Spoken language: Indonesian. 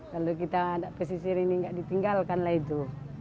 kalau kita ada pesisir ini nggak ditinggalkan lah itu